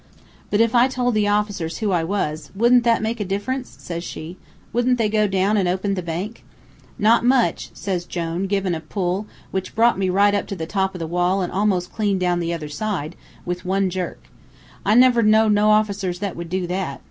"'But if I told the officers who I was, wouldn't that make a difference?' says she. 'Wouldn't they go down an' open the bank?' "'Not much,' says Jone, givin' a pull which brought me right up to the top o' the wall an' almost clean down the other side, with one jerk. 'I never knowed no officers that would do that.